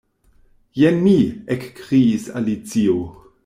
"Jen mi" ekkriis Alicio.